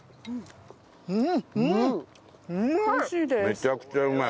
めちゃくちゃうまい。